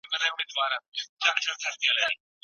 په نکاح کي لوړ معيارونه تعينول ښې پايلي نلري